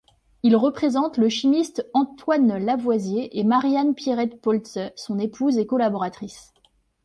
Il représente le chimiste Antoine Lavoisier et Marie-Anne Pierrette Paulze son épouse et collaboratrice.